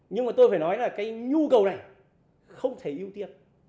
nhưng mà tôi phải nói là cái nhu cầu này không thể ưu tiên